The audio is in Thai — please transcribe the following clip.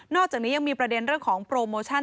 อกจากนี้ยังมีประเด็นเรื่องของโปรโมชั่น